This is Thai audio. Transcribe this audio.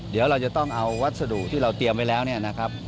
เดี๋ยวเราจะต้องเอาวัสดุที่เราเตรียมไว้แล้วเนี่ยนะครับ